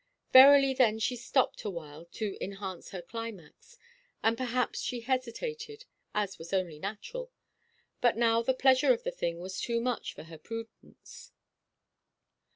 Verily then she stopped awhile, to enhance her climax; or perhaps she hesitated, as was only natural. But now the pleasure of the thing was too much for her prudence.